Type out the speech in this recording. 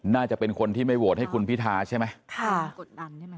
น่าจะเป็นคนที่ไม่โหวตให้คุณพิทาใช่ไหม